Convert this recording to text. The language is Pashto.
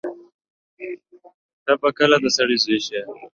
ته به کله د سړی زوی سې.